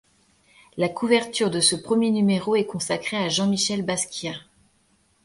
La couverture de ce premier numéro est consacrée à Jean-Michel Basquiat.